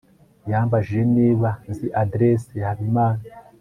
yambajije niba nzi adresse ya habimana